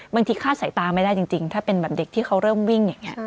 คาดสายตาไม่ได้จริงถ้าเป็นแบบเด็กที่เขาเริ่มวิ่งอย่างนี้